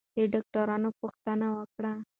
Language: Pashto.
له ډاکټرانو پوښتنې وکړئ.